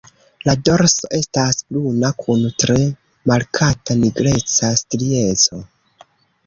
La dorso estas bruna kun tre markata nigreca strieco.